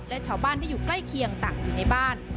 และชาวบ้านที่อยู่ใกล้เคียงต่างอยู่ในบ้าน